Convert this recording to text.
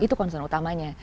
itu concern utamanya